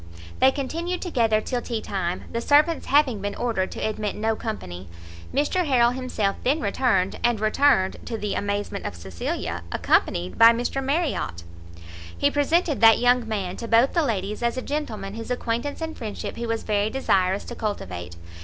They continued together till tea time, the servants having been ordered to admit no company. Mr Harrel himself then returned, and returned, to the amazement of Cecilia, accompanied by Mr Marriot. He presented that young man to both the ladies as a gentleman whose acquaintance and friendship he was very desirous to cultivate.